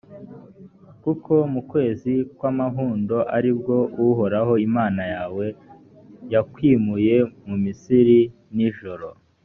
kuko mu kwezi kw’amahundo ari bwo uhoraho imana yawe yakwimuye mu misiri, nijoro.